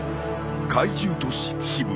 怪獣都市渋谷。